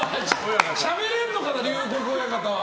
しゃべれるのかな、龍谷親方は。